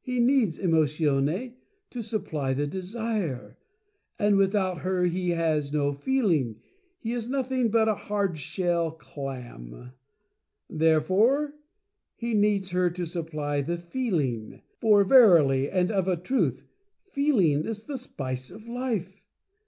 He needs Emotione to sup ply the Desire. And without her he has no Feeling — he is nothing but a hard shell clam. Therefore he needs her to supply the Feeling, for verily, and of a truth, Feeling is the spice of Life.